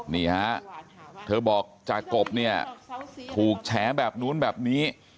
นี่ฮะเธอบอกจากกบเนี่ยถูกแฉแบบนู้นแบบนี้